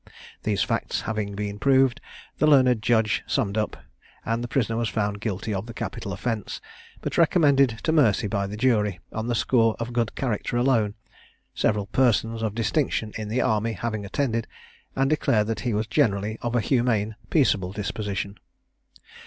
These facts having been proved, the learned judge summed up, and the prisoner was found guilty of the capital offence, but recommended to mercy by the jury, on the score of good character alone; several persons of distinction in the army having attended, and declared that he was generally of a humane, peaceable disposition.